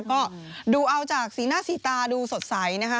ก็ดูเอาจากสีหน้าสีตาดูสดใสนะคะ